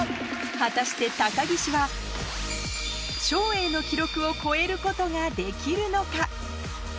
果たして高岸は照英の記録を超えることができるのか？